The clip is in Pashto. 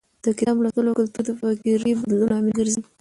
د کتاب لوستلو کلتور د فکري بدلون لامل ګرځي.